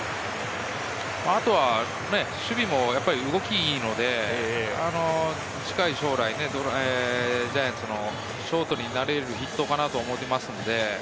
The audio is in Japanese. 後は守備も動きがいいので、近い将来、ジャイアンツのショートになれる筆頭かなと思います。